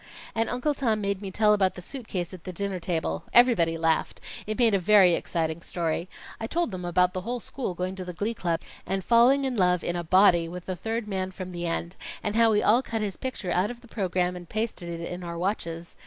"And Uncle Tom made me tell about the suit case at the dinner table. Everybody laughed. It made a very exciting story. I told them about the whole school going to the Glee Club, and falling in love in a body with the third man from the end, and how we all cut his picture out of the program and pasted it in our watches.